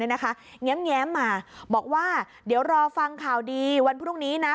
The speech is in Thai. แง้มมาบอกว่าเดี๋ยวรอฟังข่าวดีวันพรุ่งนี้นะ